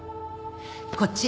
こっち！